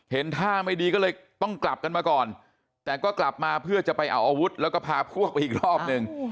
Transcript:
ท่าไม่ดีก็เลยต้องกลับกันมาก่อนแต่ก็กลับมาเพื่อจะไปเอาอาวุธแล้วก็พาพวกไปอีกรอบหนึ่ง